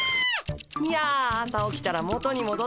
いや朝起きたら元にもどってました。